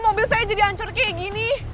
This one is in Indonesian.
mobil saya jadi hancur kayak gini